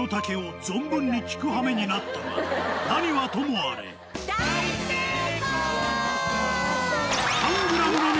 が何はともあれ大成功！